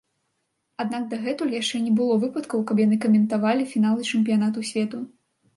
Аднак дагэтуль яшчэ не было выпадкаў, каб яны каментавалі фіналы чэмпіянату свету.